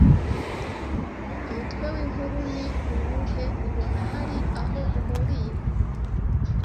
Umutwe w’inkuru ni uwuhe? Ubona hari aho uhuriye